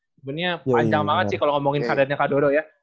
sebenarnya panjang banget sih kalau ngomongin karir nya kak dodo ya